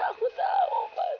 aku tahu mas